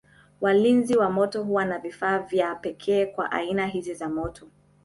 Walinzi wa moto huwa na vifaa vya pekee kwa aina hizi za moto.